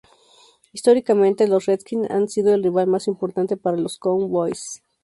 Históricamente los Redskins han sido el rival más importante para los Cowboys.